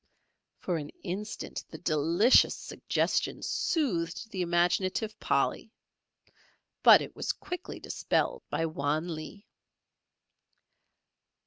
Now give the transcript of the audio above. For an instant the delicious suggestion soothed the imaginative Polly. But it was quickly dispelled by Wan Lee.